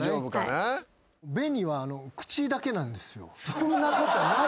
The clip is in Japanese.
そんなことない！